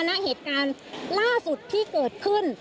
ณเหตุการณ์ล่าสุดที่เกิดขึ้น